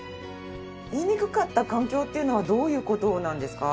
言いにくかった環境っていうのはどういう事なんですか？